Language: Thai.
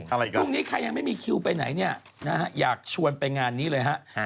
อะไรดีพรุ่งนี้ใครยังไม่มีคิวไปไหนเนี่ยนะฮะอยากชวนไปงานนี้เลยฮะ